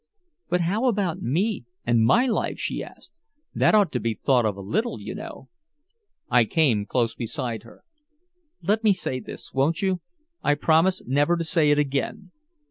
"But how about me and my life?" she asked. "That ought to be thought of a little, you know." I came close beside her: "Let me say this. Won't you? I'll promise never to say it again.